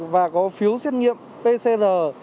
và có phiếu xét nghiệm pcr